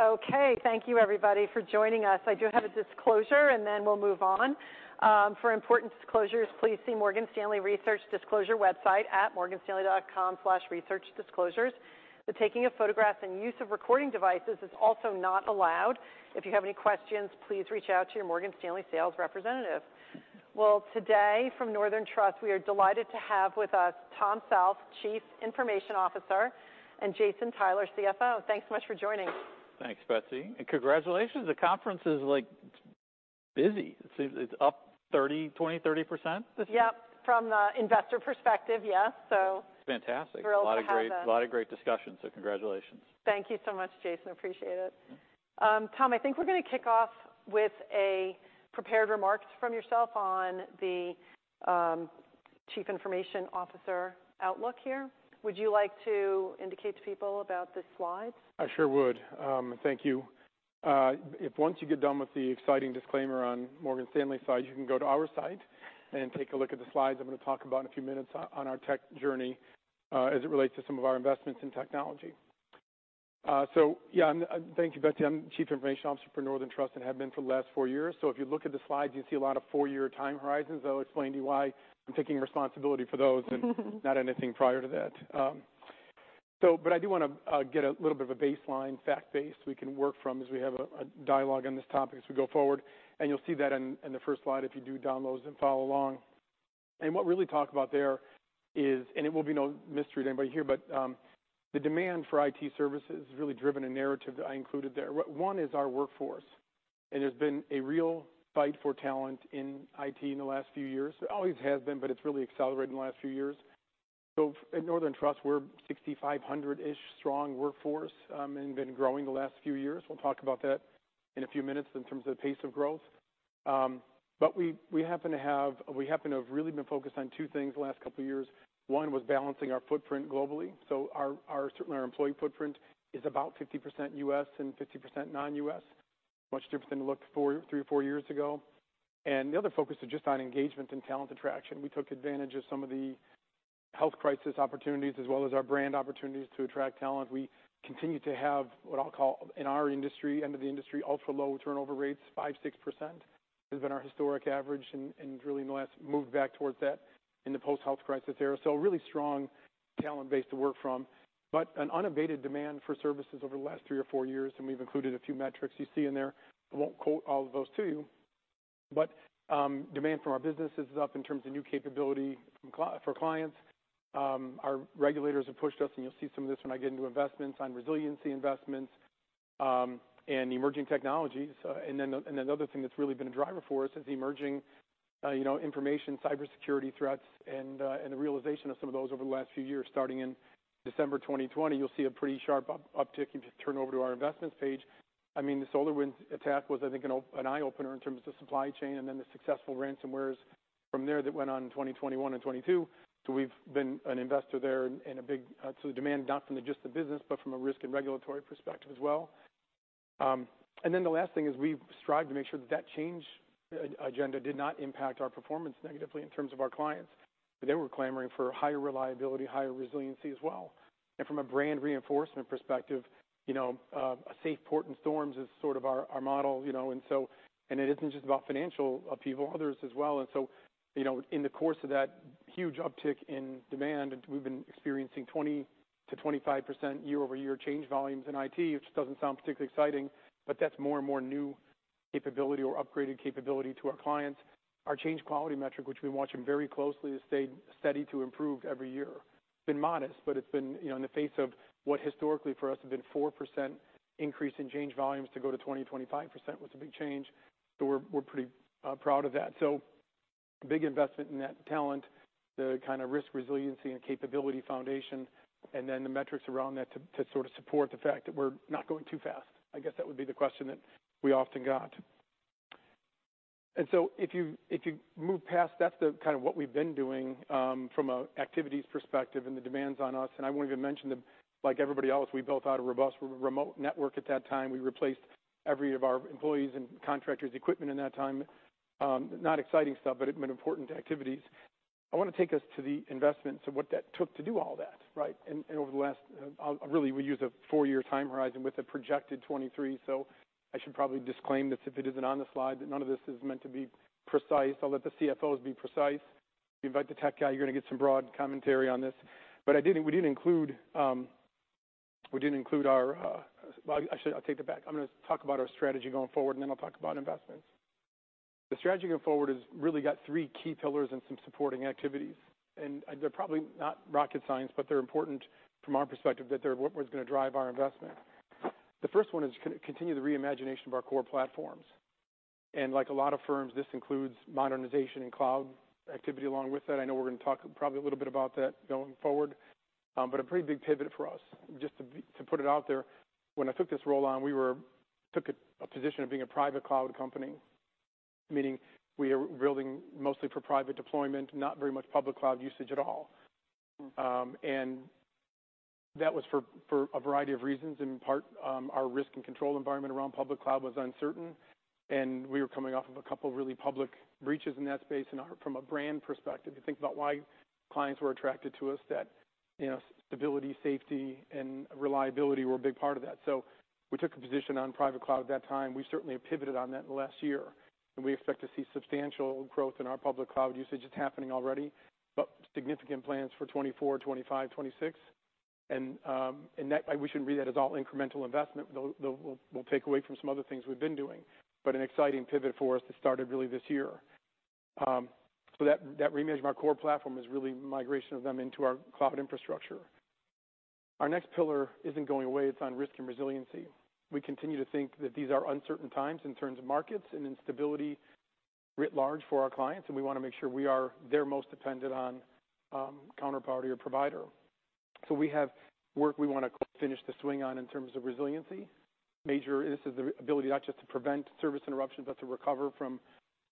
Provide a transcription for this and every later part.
Okay, thank you everybody for joining us. I do have a disclosure, and then we'll move on. For important disclosures, please see Morgan Stanley Research Disclosure website at morganstanley.com/researchdisclosures. The taking of photographs and use of recording devices is also not allowed. If you have any questions, please reach out to your Morgan Stanley sales representative. Well, today, from Northern Trust, we are delighted to have with us Tom South, Chief Information Officer, and Jason Tyler, CFO. Thanks so much for joining. Thanks, Betsy, and congratulations! The conference is, like, busy. It's up 30, 20, 30% this year? Yep. From the investor perspective, yes. Fantastic. Thrilled to have that. A lot of great discussions, so congratulations. Thank you so much, Jason. Appreciate it. Tom, I think we're going to kick off with a prepared remarks from yourself on the Chief Information Officer outlook here. Would you like to indicate to people about the slides? I sure would. Thank you. If once you get done with the exciting disclaimer on Morgan Stanley's side, you can go to our site and take a look at the slides. I'm going to talk about in a few minutes on our tech journey, as it relates to some of our investments in technology. Yeah. Thank you, Betsy. I'm Chief Information Officer for Northern Trust, and have been for the last four years. If you look at the slides, you'll see a lot of four-year time horizons. I'll explain to you why I'm taking responsibility for those and not anything prior to that. I do want to get a little bit of a baseline fact base we can work from as we have a dialogue on this topic as we go forward, and you'll see that in the first slide if you do download and follow along. What we really talk about there is, it will be no mystery to anybody here, the demand for IT services has really driven a narrative that I included there. One is our workforce, and there's been a real fight for talent in IT in the last few years. There always has been, but it's really accelerated in the last few years. At Northern Trust, we're 6,500-ish strong workforce, and been growing the last few years. We'll talk about that in a few minutes in terms of the pace of growth. We happen to have really been focused on two things the last couple of years. One was balancing our footprint globally. Our, certainly our employee footprint is about 50% U.S. and 50% non-U.S. Much different than it looked three or four years ago. The other focus is just on engagement and talent attraction. We took advantage of some of the health crisis opportunities, as well as our brand opportunities to attract talent. We continue to have what I'll call in our industry and in the industry, ultra-low turnover rates. 5%, 6% has been our historic average, and really in the last, moved back towards that in the post-health crisis era. A really strong talent base to work from, but an unabated demand for services over the last three or four years. We've included a few metrics you see in there. I won't quote all of those to you, but demand from our businesses is up in terms of new capability for clients. Our regulators have pushed us, you'll see some of this when I get into investments, on resiliency investments and emerging technologies. Another thing that's really been a driver for us is the emerging, you know, information cybersecurity threats and the realization of some of those over the last few years. Starting in December 2020, you'll see a pretty sharp uptick if you turn over to our investments page. I mean, the SolarWinds attack was, I think, an eye-opener in terms of supply chain and then the successful ransomwares from there that went on in 2021 and 2022. We've been an investor there in a big. The demand, not from just the business, but from a risk and regulatory perspective as well. The last thing is we strived to make sure that that change agenda did not impact our performance negatively in terms of our clients. They were clamoring for higher reliability, higher resiliency as well. From a brand reinforcement perspective, you know, a safe port in storms is sort of our model, you know. It isn't just about financial upheaval, others as well. You know, in the course of that huge uptick in demand, we've been experiencing 20%-25% year-over-year change volumes in IT, which doesn't sound particularly exciting, but that's more and more new capability or upgraded capability to our clients. Our change quality metric, which we're watching very closely, to stay steady, to improve every year. It's been modest, but it's been, you know, in the face of what historically for us has been 4% increase in change volumes to go to 20%-25% was a big change. We're pretty proud of that. Big investment in that talent, the kind of risk resiliency and capability foundation, and then the metrics around that to sort of support the fact that we're not going too fast. I guess that would be the question that we often got. If you move past, that's the kind of what we've been doing, from an activities perspective and the demands on us. I want to mention that, like everybody else, we built out a robust remote network at that time. We replaced every of our employees' and contractors' equipment in that time. Not exciting stuff, but it's been important to activities. I want to take us to the investments of what that took to do all that, right? Over the last, really, we use a four-year time horizon with a projected 23. I should probably disclaim this if it isn't on the slide, that none of this is meant to be precise. I'll let the CFOs be precise. You invite the tech guy, you're going to get some broad commentary on this. Well, actually, I'll take that back. I'm going to talk about our strategy going forward, and then I'll talk about investments. The strategy going forward has really got three key pillars and some supporting activities, and they're probably not rocket science, but they're important from our perspective, that they're what was going to drive our investment. The first one is continue the reimagination of our core platforms. Like a lot of firms, this includes modernization and cloud activity. Along with that, I know we're going to talk probably a little bit about that going forward, but a pretty big pivot for us. Just to put it out there, when I took this role on, we took a position of being a private cloud company, meaning we are building mostly for private deployment, not very much public cloud usage at all. That was for a variety of reasons. In part, our risk and control environment around public cloud was uncertain. We were coming off of a couple of really public breaches in that space. From a brand perspective, you think about why clients were attracted to us, that, you know, stability, safety, and reliability were a big part of that. We took a position on private cloud at that time. We certainly have pivoted on that in the last year. We expect to see substantial growth in our public cloud usage. It's happening already. Significant plans for 2024, 2025, 2026. We shouldn't read that as all incremental investment, though we'll take away from some other things we've been doing. An exciting pivot for us that started really this year. That reimagined our core platform is really migration of them into our cloud infrastructure. Our next pillar isn't going away. It's on risk and resiliency. We continue to think that these are uncertain times in terms of markets and in stability writ large for our clients, and we want to make sure we are their most dependent on counterparty or provider. We have work we want to finish the swing on in terms of resiliency. Major, this is the ability not just to prevent service interruptions, but to recover from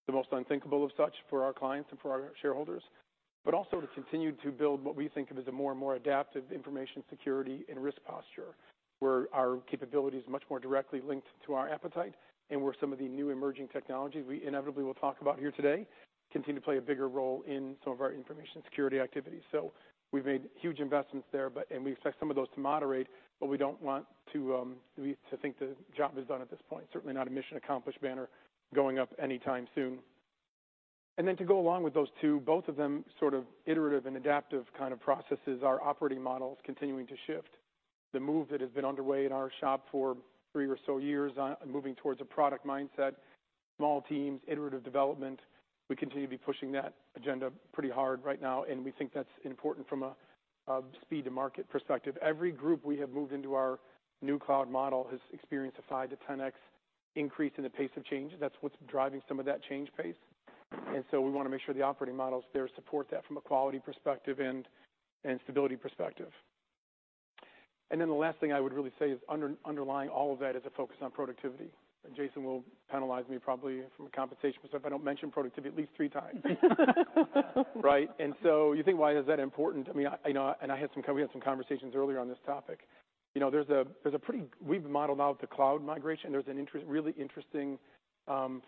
the most unthinkable of such for our clients and for our shareholders, but also to continue to build what we think of as a more and more adaptive information security and risk posture, where our capability is much more directly linked to our appetite, and where some of the new emerging technologies we inevitably will talk about here today, continue to play a bigger role in some of our information security activities. We've made huge investments there, and we expect some of those to moderate, we don't want to think the job is done at this point. Certainly not a mission accomplished banner going up anytime soon. To go along with those two, both of them sort of iterative and adaptive kind of processes, our operating models continuing to shift. The move that has been underway in our shop for 3 or so years, moving towards a product mindset, small teams, iterative development. We continue to be pushing that agenda pretty hard right now, and we think that's important from a speed to market perspective. Every group we have moved into our new cloud model has experienced a 5 to 10x increase in the pace of change. That's what's driving some of that change pace. We want to make sure the operating models there support that from a quality perspective and stability perspective. The last thing I would really say is underlying all of that is a focus on productivity. Jason will penalize me probably from a compensation perspective if I don't mention productivity at least three times. Right? You think, why is that important? I mean, I know, and we had some conversations earlier on this topic. You know, we've modeled out the cloud migration. There's a really interesting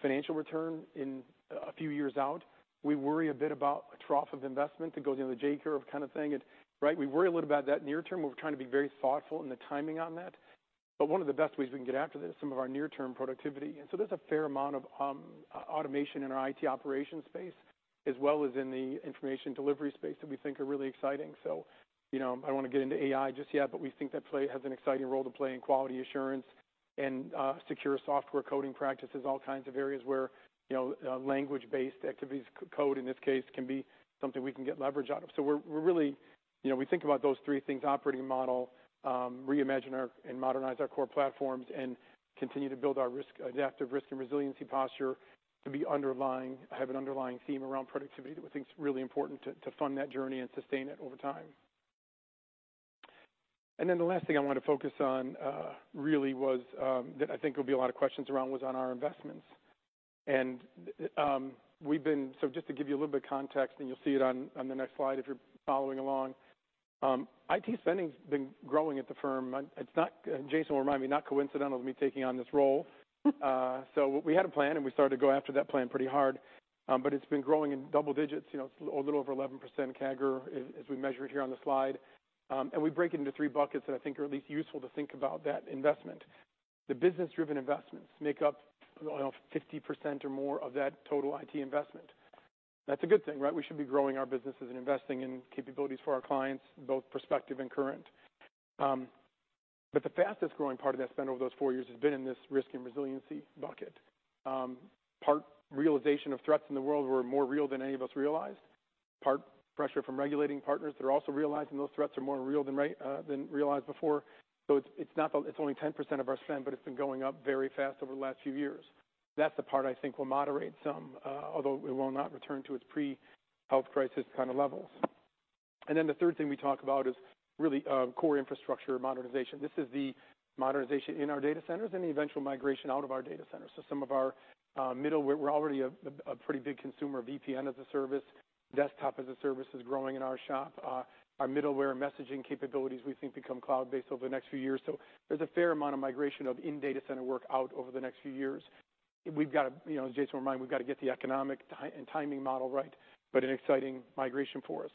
financial return in a few years out. We worry a bit about a trough of investment that goes into the J-curve kind of thing. Right? We worry a little about that near term. We're trying to be very thoughtful in the timing on that. One of the best ways we can get after this, some of our near-term productivity. There's a fair amount of automation in our IT operation space, as well as in the information delivery space that we think are really exciting. You know, I don't want to get into AI just yet, but we think that play has an exciting role to play in quality assurance and secure software coding practices. All kinds of areas where, you know, language-based activities, code, in this case, can be something we can get leverage out of. We're really. You know, we think about those three things, operating model, reimagine and modernize our core platforms, and continue to build our risk, adaptive risk and resiliency posture to have an underlying theme around productivity, which I think is really important to fund that journey and sustain it over time. The last thing I want to focus on, really was, that I think there'll be a lot of questions around was on our investments. Just to give you a little bit of context, and you'll see it on the next slide if you're following along. IT spending's been growing at the firm. It's not, Jason will remind me, not coincidental to me taking on this role. We had a plan, and we started to go after that plan pretty hard, but it's been growing in double digits, you know, a little over 11% CAGR, as we measure it here on the slide. We break it into three buckets that I think are at least useful to think about that investment. The business-driven investments make up 50% or more of that total IT investment. That's a good thing, right? We should be growing our businesses and investing in capabilities for our clients, both prospective and current. The fastest growing part of that spend over those four years has been in this risk and resiliency bucket. Part realization of threats in the world were more real than any of us realized. Part pressure from regulating partners that are also realizing those threats are more real than realized before. It's, it's not that it's only 10% of our spend, but it's been going up very fast over the last few years. That's the part I think will moderate some, although it will not return to its pre-health crisis kind of levels. The third thing we talk about is really core infrastructure modernization. This is the modernization in our data centers and the eventual migration out of our data centers. We're already a pretty big consumer of VPN as a service. Desktop as a service is growing in our shop. Our middleware messaging capabilities we think become cloud-based over the next few years. There's a fair amount of migration of in data center work out over the next few years. We've got, you know, Jason will remind me, we've got to get the economic timing model right, but an exciting migration for us.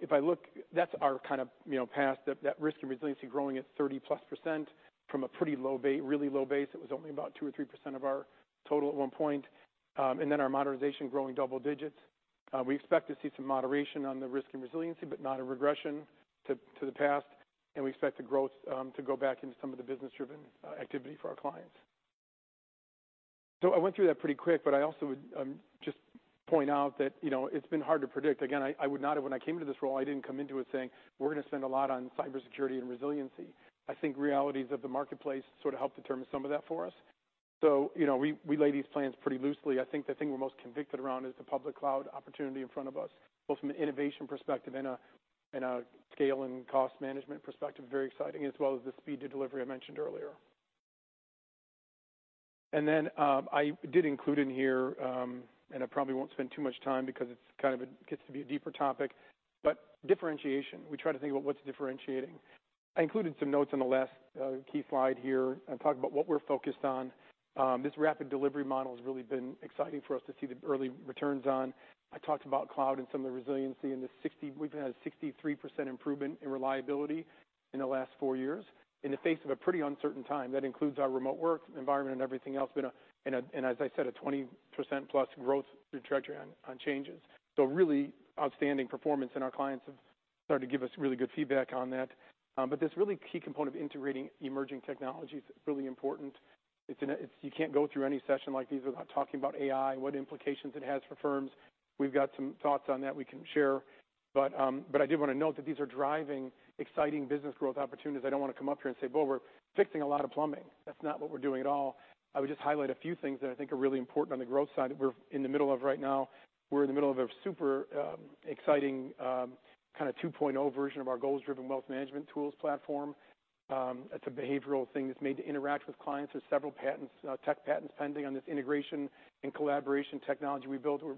If I look, that's our kind of, you know, past, that risk and resiliency growing at 30%+ from a really low base. It was only about 2% or 3% of our total at one point. Our modernization growing double digits. We expect to see some moderation on the risk and resiliency, but not a regression to the past. We expect the growth to go back into some of the business-driven activity for our clients. I went through that pretty quick, but I also would just point out that, you know, it's been hard to predict. Again, I would not have when I came into this role, I didn't come into it saying: We're going to spend a lot on cybersecurity and resiliency. I think realities of the marketplace sort of helped determine some of that for us. You know, we lay these plans pretty loosely. I think the thing we're most convicted around is the public cloud opportunity in front of us, both from an innovation perspective and a scale and cost management perspective. Very exciting, as well as the speed to delivery I mentioned earlier. I did include in here, and I probably won't spend too much time because it gets to be a deeper topic, but differentiation. We try to think about what's differentiating. I included some notes on the last key slide here and talk about what we're focused on. This rapid delivery model has really been exciting for us to see the early returns on. I talked about cloud and some of the resiliency in the sixty. We've had a 63% improvement in reliability in the last four years in the face of a pretty uncertain time. That includes our remote work environment and everything else, but, as I said, a 20%+ growth trajectory on changes. Really outstanding performance, and our clients have started to give us really good feedback on that. This really key component of integrating emerging technology is really important. You can't go through any session like these without talking about AI, what implications it has for firms. We've got some thoughts on that we can share, but I did want to note that these are driving exciting business growth opportunities. I don't want to come up here and say, "Well, we're fixing a lot of plumbing." That's not what we're doing at all. I would just highlight a few things that I think are really important on the growth side that we're in the middle of right now. We're in the middle of a super exciting kind of 2.0 version of our Goals Driven Wealth Management tools platform. It's a behavioral thing that's made to interact with clients. There's several patents, tech patents pending on this integration and collaboration technology we built. We're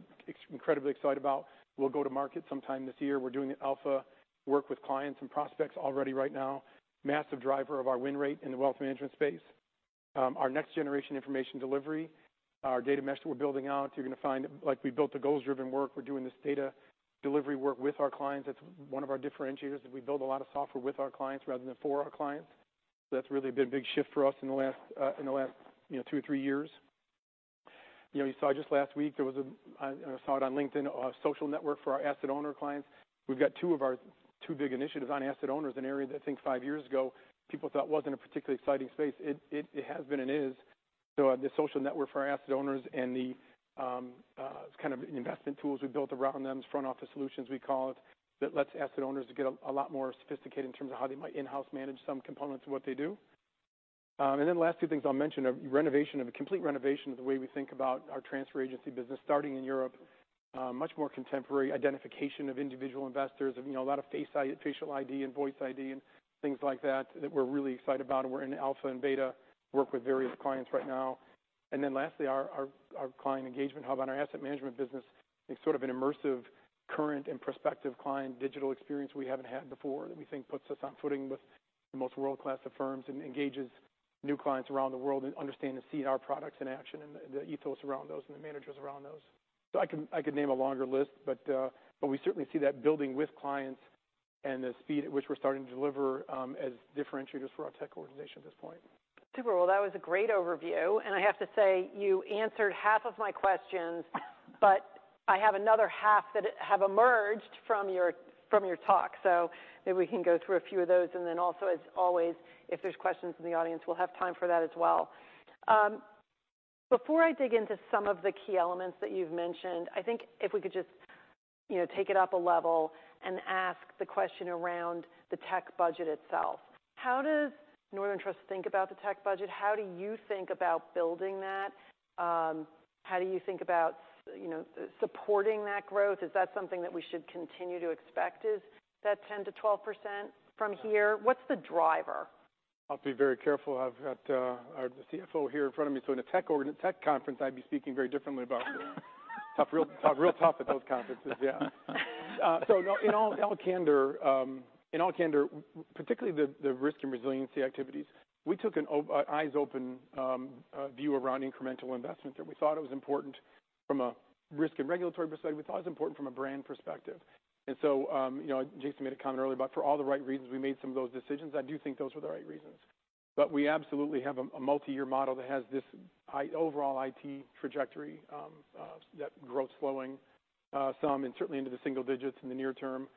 incredibly excited about. We'll go to market sometime this year. We're doing the alpha work with clients and prospects already right now. Massive driver of our win rate in the wealth management space. Our next generation information delivery, our data mesh that we're building out, you're going to find like we built the goals-driven work, we're doing this data delivery work with our clients. That's one of our differentiators, is we build a lot of software with our clients rather than for our clients. That's really been a big shift for us in the last, in the last, you know, two or three years. You know, you saw just last week, I saw it on LinkedIn, a social network for our asset owner clients. We've got two big initiatives on asset owners, an area that I think five years ago, people thought wasn't a particularly exciting space. It has been and is. The social network for our asset owners and the kind of investment tools we've built around them, Front Office Solutions, we call it, that lets asset owners get a lot more sophisticated in terms of how they might in-house manage some components of what they do. The last two things I'll mention, a renovation of... A complete renovation of the way we think about our transfer agency business, starting in Europe. Much more contemporary identification of individual investors and, you know, a lot of Face ID, facial ID and Voice ID and things like that we're really excited about. We're in alpha and beta, work with various clients right now. Lastly, our client engagement hub on our asset management business is sort of an immersive current and prospective client digital experience we haven't had before, that we think puts us on footing with the most world-class of firms and engages new clients around the world and understand and see our products in action and the ethos around those and the managers around those. I can... I could name a longer list, but we certainly see that building with clients and the speed at which we're starting to deliver, as differentiators for our tech organization at this point. Super. Well, that was a great overview. I have to say, you answered half of my questions. I have another half that have emerged from your, from your talk. Maybe we can go through a few of those. Then also, as always, if there's questions from the audience, we'll have time for that as well. Before I dig into some of the key elements that you've mentioned, I think if we could just, you know, take it up a level and ask the question around the tech budget itself. How does Northern Trust think about the tech budget? How do you think about building that? How do you think about, you know, supporting that growth? Is that something that we should continue to expect, is that 10%-12% from here? What's the driver? I'll be very careful. I've got our CFO here in front of me. In a tech conference, I'd be speaking very differently about it. Tough, real talk, real tough at those conferences, yeah. No, in all candor, in all candor, particularly the risk and resiliency activities, we took an eyes-open view around incremental investment there. We thought it was important from a risk and regulatory perspective. We thought it was important from a brand perspective. You know, Jason made a comment earlier, for all the right reasons, we made some of those decisions. I do think those were the right reasons. We absolutely have a multi-year model that has this high overall IT trajectory, that growth slowing some and certainly into the single digits in the near term.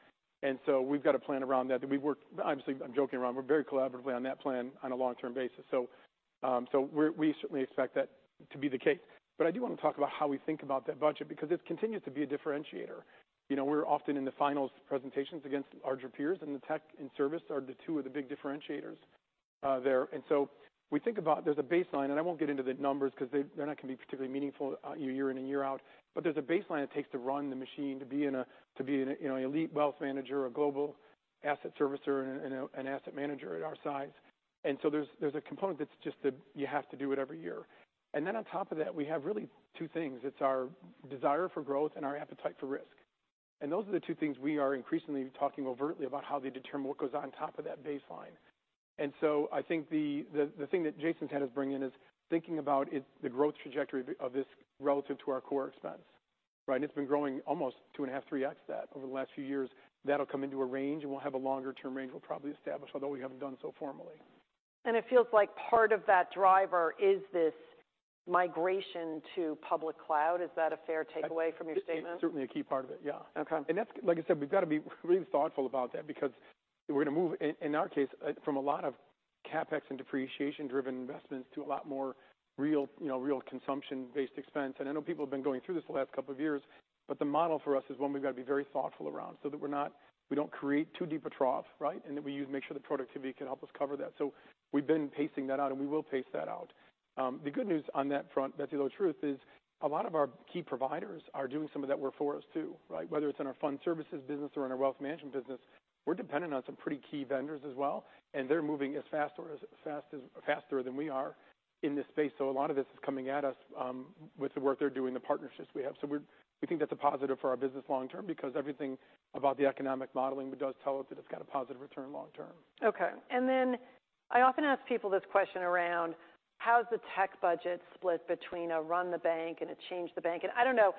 We've got a plan around that we worked. Obviously, I'm joking around. We're very collaboratively on that plan on a long-term basis. We certainly expect that to be the case. I do want to talk about how we think about that budget, because this continues to be a differentiator. You know, we're often in the finals presentations against larger peers, and the tech and service are the two of the big differentiators there. We think about there's a baseline, and I won't get into the numbers because they're not going to be particularly meaningful year in and year out. There's a baseline it takes to run the machine, to be in a, you know, elite wealth manager or global asset servicer and an asset manager at our size. There's, there's a component that's just that you have to do it every year. On top of that, we have really two things. It's our desire for growth and our appetite for risk. Those are the two things we are increasingly talking overtly about how they determine what goes on top of that baseline. I think the, the thing that Jason's tent is bringing is thinking about it, the growth trajectory of this relative to our core expense, right? It's been growing almost 2.5x, 3x that over the last few years. That'll come into a range, and we'll have a longer-term range we'll probably establish, although we haven't done so formally. It feels like part of that driver is this migration to public cloud. Is that a fair takeaway from your statement? It's certainly a key part of it, yeah. Okay. That's. Like I said, we've got to be really thoughtful about that because we're going to move, in our case, from a lot of CapEx and depreciation-driven investments to a lot more real, you know, real consumption-based expense. I know people have been going through this the last couple of years, but the model for us is one we've got to be very thoughtful around so that we don't create too deep a trough, right? That we use make sure that productivity can help us cover that. We've been pacing that out, and we will pace that out. The good news on that front, that's the low truth, is a lot of our key providers are doing some of that work for us, too, right? Whether it's in our fund services business or in our wealth management business, we're dependent on some pretty key vendors as well. They're moving as fast as, faster than we are in this space. A lot of this is coming at us with the work they're doing, the partnerships we have. We think that's a positive for our business long term, because everything about the economic modeling does tell us that it's got a positive return long term. Okay. I often ask people this question around: How's the tech budget split between a run the bank and a change the bank? I don't know,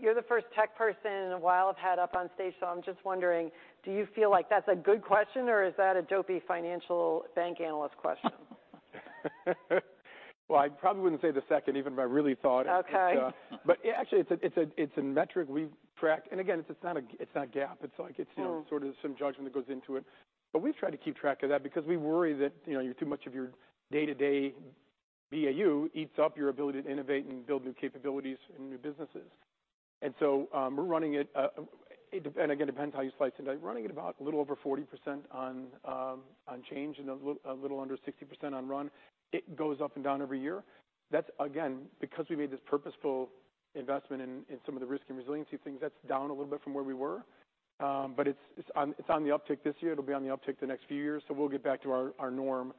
you're the first tech person in a while I've had up on stage, so I'm just wondering, do you feel like that's a good question, or is that a dopey financial bank analyst question? Well, I probably wouldn't say the second, even if I really thought. Okay. Actually, it's a metric we've tracked. Again, it's not GAAP. Oh. It's sort of some judgment that goes into it. We've tried to keep track of that because we worry that, you know, too much of your day-to-day BAU eats up your ability to innovate and build new capabilities and new businesses. We're running it. It depends, again, it depends how you slice it, but running it about a little over 40% on change and a little under 60% on run. It goes up and down every year. That's again because we made this purposeful investment in some of the risk and resiliency things, that's down a little bit from where we were. But it's on the uptick this year. It'll be on the uptick the next few years, we'll get back to our norm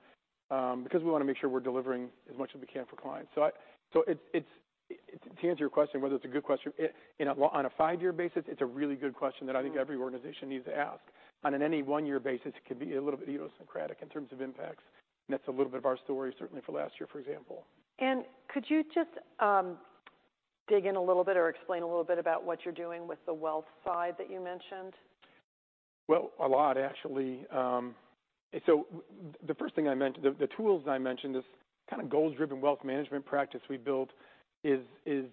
because we want to make sure we're delivering as much as we can for clients. To answer your question, whether it's a good question, it on a five-year basis, it's a really good question that I think every organization needs to ask. On an any one-year basis, it could be a little bit idiosyncratic in terms of impacts, that's a little bit of our story, certainly for last year, for example. Could you just dig in a little bit or explain a little bit about what you're doing with the wealth side that you mentioned? Well, a lot actually. The first thing I mentioned, the tools I mentioned, this kind of Goals Driven Wealth Management practice we built is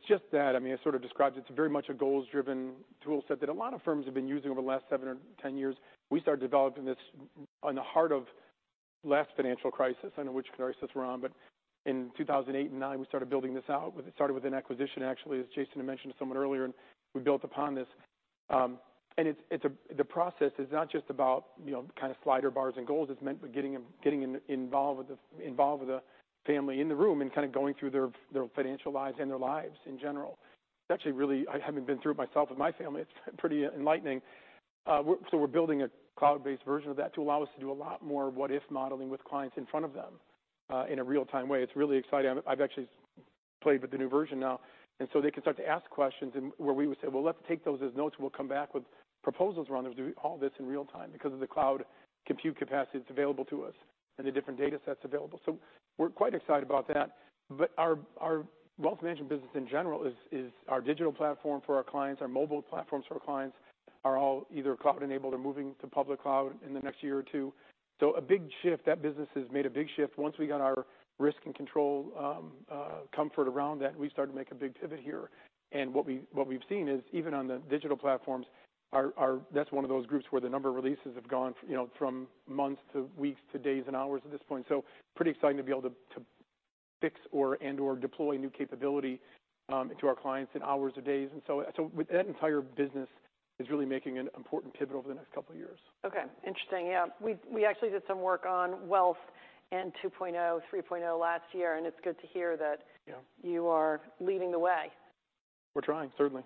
just that. I mean, it sort of describes it. It's very much a goals-driven toolset that a lot of firms have been using over the last seven or 10 years. We started developing this on the heart of last financial crisis, I don't know which crisis we're on, but in 2008 and 2009, we started building this out. It started with an acquisition, actually, as Jason had mentioned somewhat earlier, and we built upon this. The process is not just about, you know, kind of slider bars and goals. It's meant for getting them involved with the family in the room and kind of going through their financial lives and their lives in general. It's actually really. I haven't been through it myself with my family. It's pretty enlightening. We're building a cloud-based version of that to allow us to do a lot more what-if modeling with clients in front of them in a real-time way. It's really exciting. I've actually played with the new version now, they can start to ask questions and where we would say, "Well, let's take those as notes, and we'll come back with proposals around them," do all this in real time because of the cloud compute capacity that's available to us and the different datasets available. We're quite excited about that. Our wealth management business in general is our digital platform for our clients, our mobile platforms for our clients are all either cloud-enabled or moving to public cloud in the next year or two. A big shift. That business has made a big shift. Once we got our risk and control, comfort around that, we started to make a big pivot here. What we, what we've seen is even on the digital platforms, our, that's one of those groups where the number of releases have gone, you know, from months to weeks to days and hours at this point. Pretty exciting to be able to fix or, and, or deploy new capability to our clients in hours or days. With that entire business is really making an important pivot over the next couple of years. Okay, interesting. Yeah, we actually did some work on wealth in 2.0, 3.0 last year, and it's good to hear that- Yeah You are leading the way. We're trying, certainly.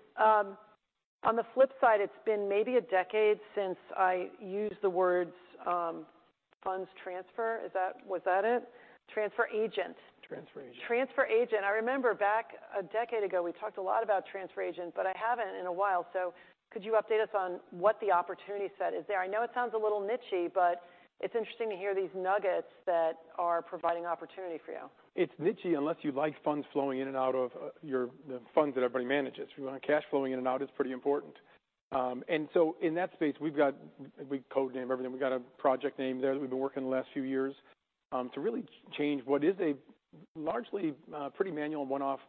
On the flip side, it's been maybe a decade since I used the words, funds transfer. Was that it? transfer agent. Transfer agent. Transfer agent. I remember back a decade ago, we talked a lot about transfer agent, but I haven't in a while. Could you update us on what the opportunity set is there? I know it sounds a little niche-y, but it's interesting to hear these nuggets that are providing opportunity for you. It's niche-y unless you like funds flowing in and out of the funds that everybody manages. If you want cash flowing in and out, it's pretty important. In that space, We codename everything. We've got a project name there that we've been working the last few years to really change what is a largely, pretty manual and one-off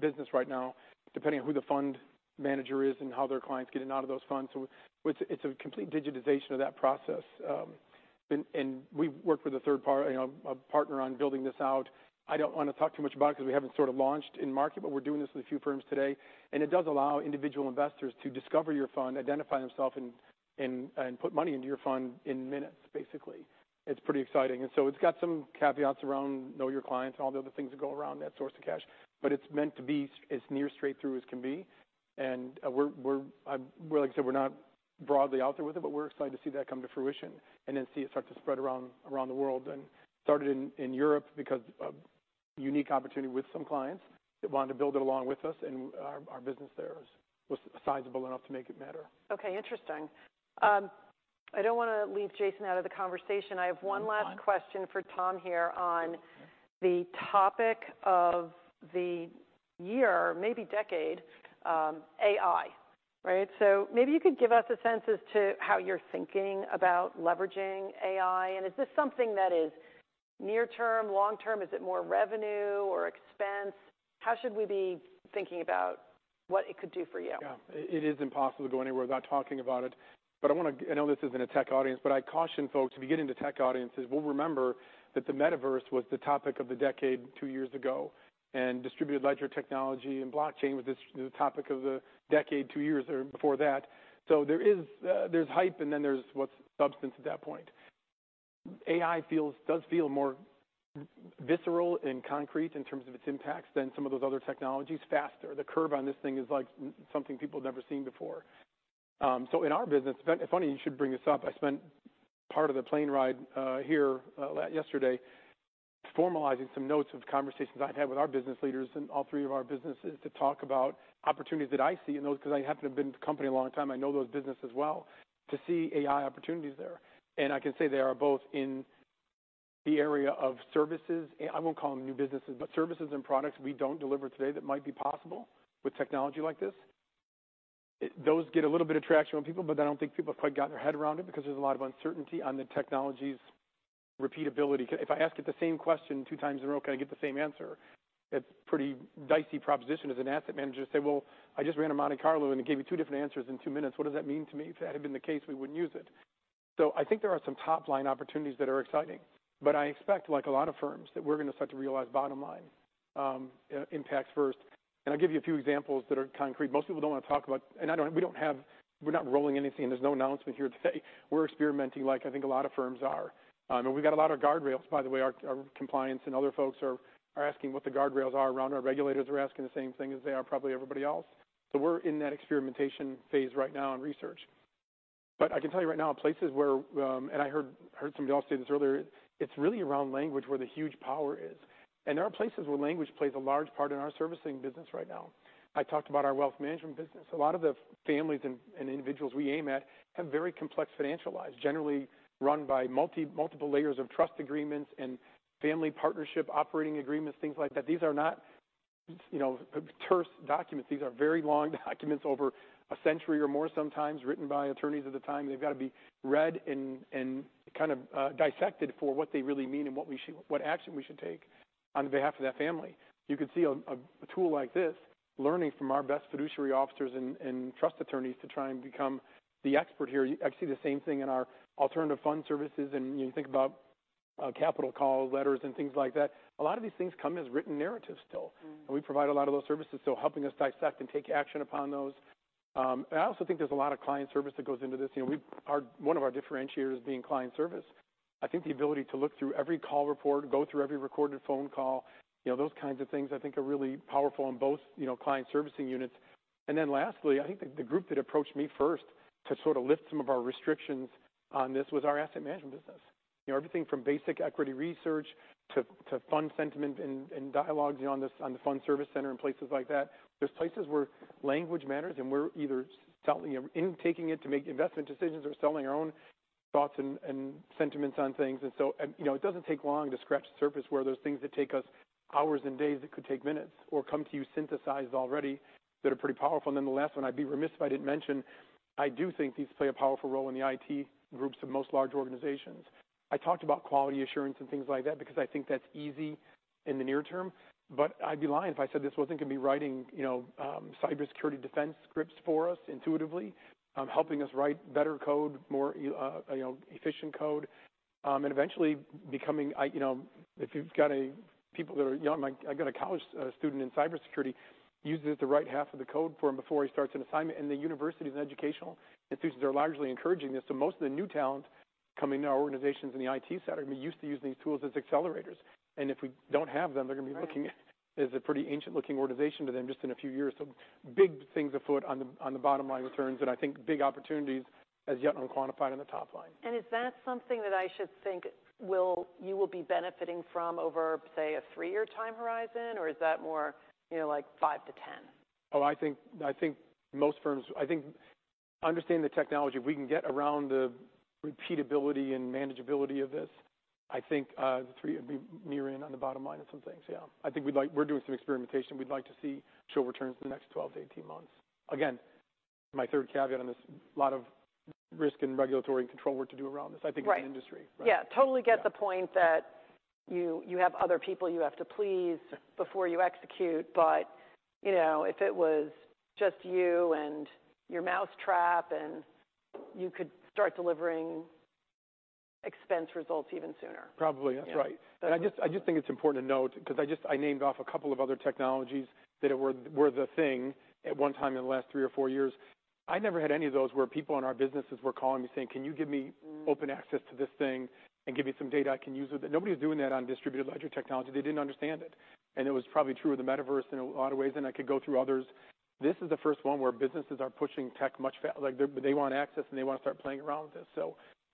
business right now, depending on who the fund manager is and how their clients get in and out of those funds. It's a complete digitization of that process. We've worked with a third part, you know, a partner on building this out. I don't want to talk too much about it because we haven't sort of launched in market, but we're doing this with a few firms today, and it does allow individual investors to discover your fund, identify themselves and put money into your fund in minutes, basically. It's pretty exciting. It's got some caveats around Know Your Customer and all the other things that go around that source of cash, but it's meant to be as near straight through as can be. We're, like I said, we're not broadly out there with it, but we're excited to see that come to fruition and then see it start to spread around the world. Started in Europe because of unique opportunity with some clients that wanted to build it along with us, and our business there was sizable enough to make it matter. Okay, interesting. I don't want to leave Jason out of the conversation. No, I'm fine. I have one last question for Tom here on the topic of the year, maybe decade, AI, right? Maybe you could give us a sense as to how you're thinking about leveraging AI, and is this something that is near term, long term? Is it more revenue or expense? How should we be thinking about what it could do for you? Yeah, it is impossible to go anywhere without talking about it. I know this isn't a tech audience, but I caution folks, if you get into tech audiences, we'll remember that the metaverse was the topic of the decade two years ago, and distributed ledger technology and blockchain was the topic of the decade two years or before that. There is, there's hype, and then there's what's substance at that point. AI feels, does feel more visceral and concrete in terms of its impacts than some of those other technologies. Faster. The curve on this thing is like something people have never seen before. In our business, it's funny you should bring this up. I spent part of the plane ride here yesterday, formalizing some notes of conversations I'd had with our business leaders in all three of our businesses to talk about opportunities that I see in those, because I happen to have been with the company a long time. I know those businesses well, to see AI opportunities there. I can say they are both in the area of services, and I won't call them new businesses, but services and products we don't deliver today that might be possible with technology like this, those get a little bit of traction on people, but I don't think people have quite gotten their head around it because there's a lot of uncertainty on the technology's repeatability. If I ask it the same question two times in a row, can I get the same answer? It's a pretty dicey proposition as an asset manager to say, "Well, I just ran a Monte Carlo, and it gave me two different answers in two minutes. What does that mean to me?" If that had been the case, we wouldn't use it. I think there are some top-line opportunities that are exciting, but I expect, like a lot of firms, that we're going to start to realize bottom line impacts first. I'll give you a few examples that are concrete. Most people don't want to talk about. I don't, we're not rolling anything, and there's no announcement here today. We're experimenting, like I think a lot of firms are. We've got a lot of guardrails by the way, our compliance and other folks are asking what the guardrails are around. Our regulators are asking the same thing as they are, probably everybody else. We're in that experimentation phase right now in research. I can tell you right now, places where, and I heard some of you all say this earlier, it's really around language where the huge power is. There are places where language plays a large part in our servicing business right now. I talked about our wealth management business. A lot of the families and individuals we aim at have very complex financial lives, generally run by multiple layers of trust agreements and family partnership, operating agreements, things like that. These are not, you know, terse documents. These are very long documents, over a century or more, sometimes written by attorneys at the time. They've got to be read and kind of dissected for what they really mean and what action we should take on behalf of that family. You could see a tool like this learning from our best fiduciary officers and trust attorneys to try and become the expert here. I see the same thing in our alternative fund services. You think about capital call letters and things like that. A lot of these things come as written narratives still. Mm-hmm. We provide a lot of those services, so helping us dissect and take action upon those. I also think there's a lot of client service that goes into this. You know, one of our differentiators being client service. I think the ability to look through every call report, go through every recorded phone call, you know, those kinds of things I think are really powerful in both, you know, client servicing units. Lastly, I think the group that approached me first to sort of lift some of our restrictions on this was our asset management business. You know, everything from basic equity research to fund sentiment and dialogues on this, on the fund service center and places like that. There's places where language matters, and we're either selling, you know, in taking it to make investment decisions or selling our own thoughts and sentiments on things. You know, it doesn't take long to scratch the surface where there's things that take us hours and days, that could take minutes or come to you synthesized already, that are pretty powerful. Nonetheless, I'd be remiss if I didn't mention, I do think these play a powerful role in the IT groups of most large organizations. I talked about quality assurance and things like that because I think that's easy in the near term, but I'd be lying if I said this wasn't going to be writing, you know, cybersecurity defense scripts for us intuitively, helping us write better code, more, you know, efficient code, and eventually becoming. You know, if you've got a people that are young, I've got a college student in cybersecurity uses it to write half of the code for him before he starts an assignment. The universities and educational institutions are largely encouraging this. Most of the new talent coming to our organizations in the IT center are going to be used to using these tools as accelerators, and if we don't have them. Right. They're going to be looking as a pretty ancient-looking organization to them just in a few years. Big things afoot on the, on the bottom line returns, and I think big opportunities as yet unquantified on the top line. Is that something that I should think you will be benefiting from over, say, a 3-year time horizon, or is that more, you know, like 5 to 10? Oh, I think most firms. I think understanding the technology, if we can get around the repeatability and manageability of this, I think, three it'd be near in on the bottom line in some things. Yeah, I think we're doing some experimentation. We'd like to see show returns in the next 12 to 18 months. Again, my third caveat on this, a lot of risk and regulatory and control work to do around this. Right. I think it's an industry. Yeah, totally get the point that you have other people you have to please before you execute, but, you know, if it was just you and your mousetrap, and you could start delivering expense results even sooner. Probably. That's right. Yeah. I just think it's important to note, because I just, I named off a couple of other technologies that were the thing at one time in the last three or four years. I never had any of those where people in our businesses were calling me saying: "Can you give me open access to this thing and give me some data I can use?" Nobody was doing that on distributed ledger technology. They didn't understand it, and it was probably true of the metaverse in a lot of ways, and I could go through others. This is the first one where businesses are pushing tech much like, they want access, and they want to start playing around with this.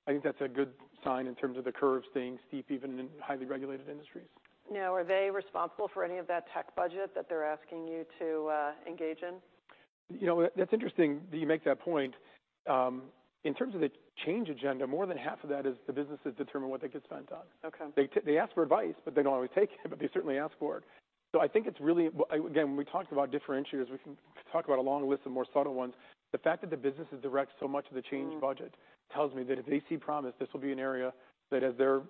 I think that's a good sign in terms of the curve staying steep, even in highly regulated industries. Are they responsible for any of that tech budget that they're asking you to engage in? You know, that's interesting that you make that point. In terms of the change agenda, more than half of that is the businesses determine what they get spent on. Okay. They ask for advice, but they don't always take it, but they certainly ask for it. I think it's really. Well, again, when we talked about differentiators, we can talk about a long list of more subtle ones. The fact that the businesses direct so much of the change budget. Mm. Tells me that if they see promise, this will be an area that as their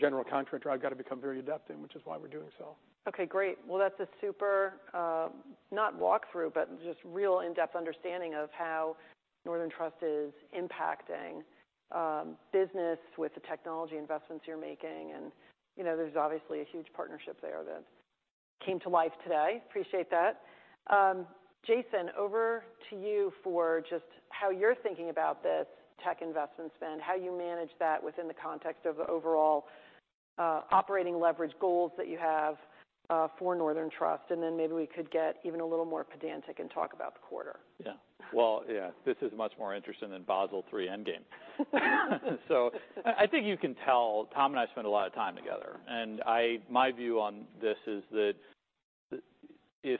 general contractor, I've got to become very adept in, which is why we're doing so. Okay, great. Well, that's a super, not walkthrough, but just real in-depth understanding of how Northern Trust is impacting business with the technology investments you're making. You know, there's obviously a huge partnership there that came to life today. Appreciate that. Jason, over to you for just how you're thinking about this tech investment spend, how you manage that within the context of the overall operating leverage goals that you have for Northern Trust. Maybe we could get even a little more pedantic and talk about the quarter. Yeah. Well, yeah, this is much more interesting than Basel III endgame. I think you can tell Tom and I spend a lot of time together. My view on this is that if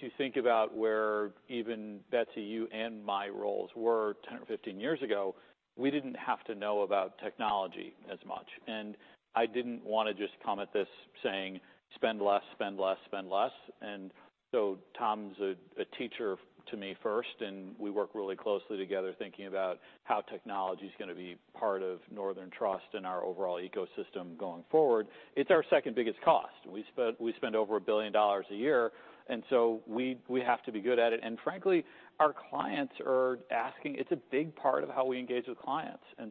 you think about where even, Betsy, you and my roles were 10 or 15 years ago, we didn't have to know about technology as much, and I didn't want to just come at this saying, "Spend less, spend less, spend less." Tom's a teacher to me first, and we work really closely together, thinking about how technology's going to be part of Northern Trust and our overall ecosystem going forward. It's our second-biggest cost. We spend over $1 billion a year, and so we have to be good at it. Frankly, our clients are asking. It's a big part of how we engage with clients, and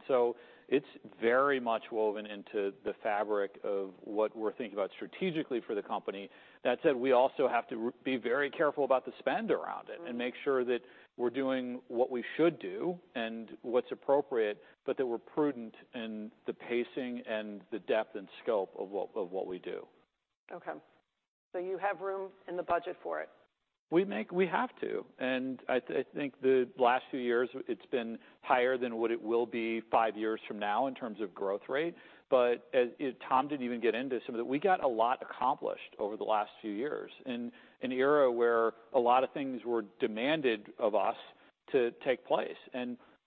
so it's very much woven into the fabric of what we're thinking about strategically for the company. That said, we also have to be very careful about the spend around it. Mm-hmm. Make sure that we're doing what we should do and what's appropriate, but that we're prudent in the pacing and the depth and scope of what we do. Okay. You have room in the budget for it? We have to, and I think the last few years, it's been higher than what it will be five years from now in terms of growth rate. As Tom did even get into some of it, we got a lot accomplished over the last few years in an era where a lot of things were demanded of us to take place.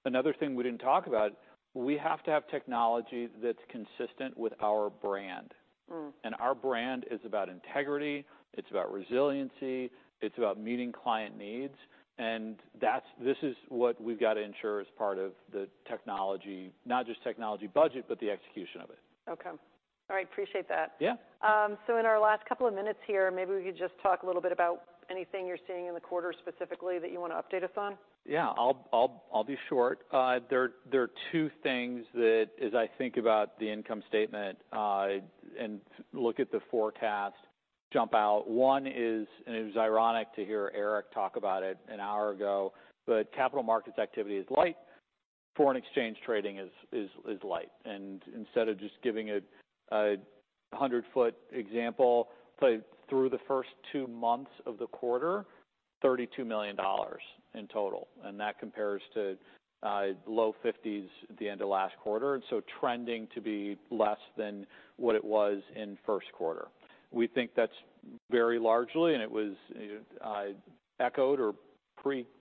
Another thing we didn't talk about, we have to have technology that's consistent with our brand. Mm. Our brand is about integrity, it's about resiliency, it's about meeting client needs. This is what we've got to ensure as part of the technology, not just technology budget, but the execution of it. Okay. All right, appreciate that. Yeah. In our last couple of minutes here, maybe we could just talk a little bit about anything you're seeing in the quarter specifically that you want to update us on? Yeah, I'll be short. There are two things that as I think about the income statement and look at the forecast, jump out. One is, and it was ironic to hear Eric talk about it an hour ago, but capital markets activity is light. Foreign exchange trading is light. Instead of just giving it a 100-foot example, but through the first two months of the quarter, $32 million in total, that compares to low 50s at the end of last quarter, trending to be less than what it was in first quarter. We think that's very largely, and it was echoed or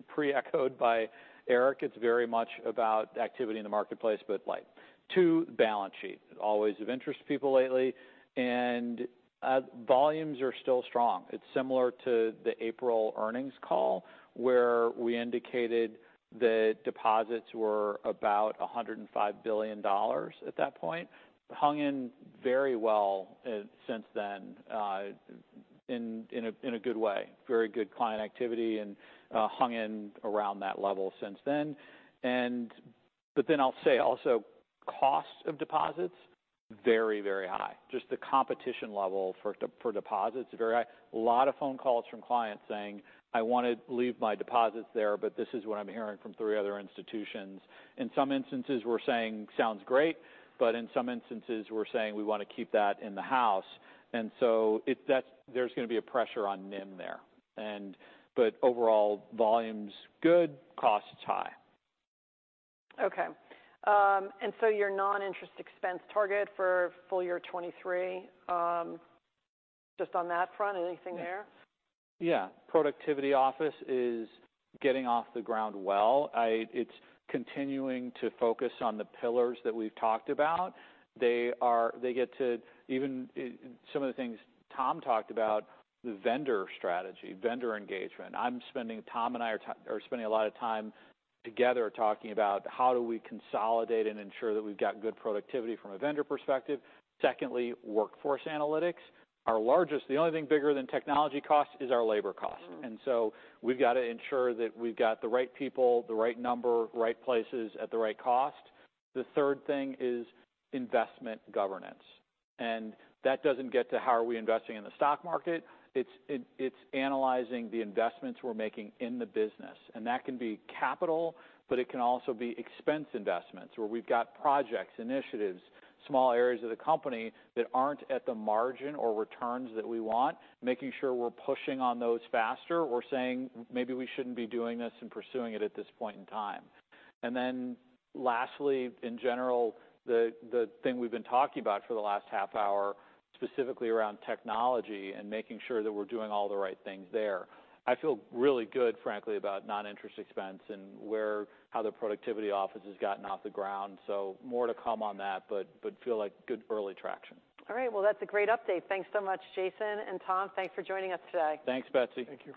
pre-echoed by Eric. It's very much about activity in the marketplace, but light. Two, balance sheet. Always of interest to people lately, volumes are still strong. It's similar to the April earnings call, where we indicated that deposits were about $105 billion at that point. Hung in very well since then, in a good way. Very good client activity and hung in around that level since then. I'll say also, costs of deposits, very high. Just the competition level for deposits is very high. A lot of phone calls from clients saying, "I want to leave my deposits there, but this is what I'm hearing from three other institutions." In some instances, we're saying, "Sounds great," but in some instances, we're saying, "We want to keep that in the house." There's going to be a pressure on NIM there. Overall, volume's good, cost is high. Okay. Your non-interest expense target for full year 2023, just on that front, anything there? Yeah. Productivity Office is getting off the ground well. It's continuing to focus on the pillars that we've talked about. They get to, even some of the things Tom talked about, the vendor strategy, vendor engagement. Tom and I are spending a lot of time together talking about how do we consolidate and ensure that we've got good productivity from a vendor perspective. Secondly, workforce analytics. Our largest. The only thing bigger than technology cost is our labor cost. Mm. We've got to ensure that we've got the right people, the right number, right places, at the right cost. The third thing is investment governance, and that doesn't get to how are we investing in the stock market. It's analyzing the investments we're making in the business, and that can be capital, but it can also be expense investments, where we've got projects, initiatives, small areas of the company that aren't at the margin or returns that we want, making sure we're pushing on those faster or saying, "Maybe we shouldn't be doing this and pursuing it at this point in time." Lastly, in general, the thing we've been talking about for the last half hour, specifically around technology and making sure that we're doing all the right things there. I feel really good, frankly, about non-interest expense and how the Productivity Office has gotten off the ground. More to come on that, but feel like good early traction. All right. Well, that's a great update. Thanks so much, Jason and Tom. Thanks for joining us today. Thanks, Betsy. Thank you.